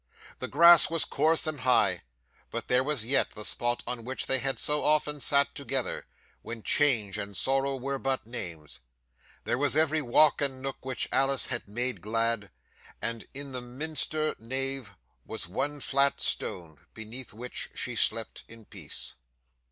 The grass was coarse and high, but there was yet the spot on which they had so often sat together, when change and sorrow were but names. There was every walk and nook which Alice had made glad; and in the minster nave was one flat stone beneath which she slept in peace.